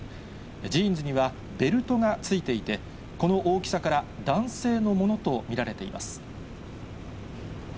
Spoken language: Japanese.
ジーンズにはベルトがついていて、この大きさから、男性のものと見られています。